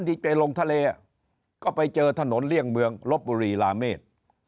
ไปลงทะเลก็ไปเจอถนนเลี่ยงเมืองลบบุรีลาเมษ